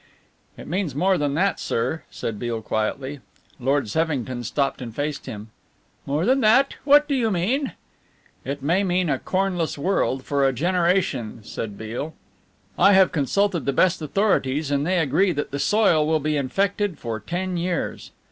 "It means more than that, sir," said Beale quietly. Lord Sevington stopped and faced him. "More than that? What do you mean?" "It may mean a cornless world for a generation," said Beale. "I have consulted the best authorities, and they agree that the soil will be infected for ten years."